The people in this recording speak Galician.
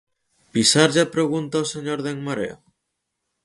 ¿Pisarlle a pregunta ao señor de En Marea?